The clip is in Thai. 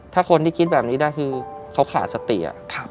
ถ้าคนที่คิดแบบนี้ได้คือเขาขาดสติ